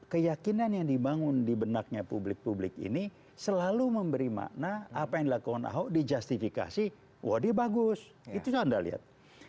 keyakinan yang dibangun di benaknya publik publik ini selalu memberi makna apa yang dilakukan ahok di justifikasi wah dia bagus itu anda lihat